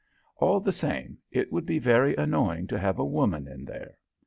All the same, it would be very annoying to have a woman in there.